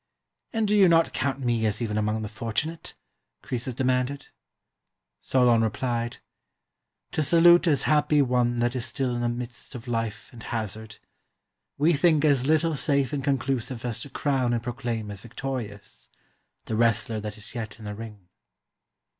"And do you not count me as even among the fortunate?" Croesus demanded. Solon replied: "To salute as happy one that is still in the midst of life and hazard, we think as little safe and conclusive as to crown and proclaim as victorious the wrestler that is yet in the ring."